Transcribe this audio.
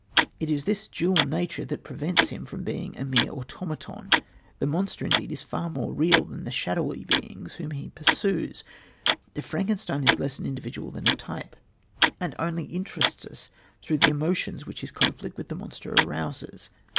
It is this dual nature that prevents him from being a mere automaton. The monster indeed is far more real than the shadowy beings whom he pursues. Frankenstein is less an individual than a type, and only interests us through the emotions which his conflict with the monster arouses.